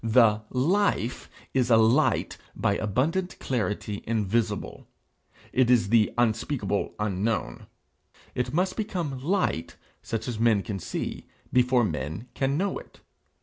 The life 'is a light by abundant clarity invisible;' it is the unspeakable unknown; it must become light such as men can see before men can know it.